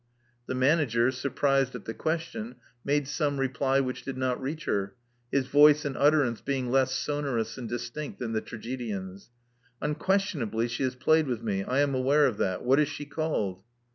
The manager, surprised at the question, made some reply which did not reach her, his voice and utterance being less sonorous and distinct than the tragedian's. Unquestionably she has played with me. I am aware of that. What is she called?"